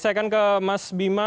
saya akan ke mas bima